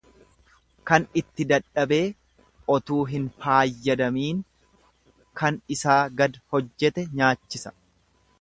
Kan itti dadhabee otuu hin faayyadamiin kan isaa gad hojjete nyaachise.